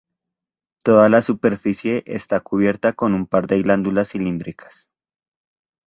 Toda la superficie está cubierta con un par de glándulas cilíndricas.